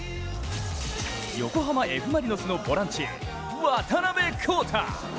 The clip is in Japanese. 横浜Ｆ・マリノスのボランチ渡辺皓太。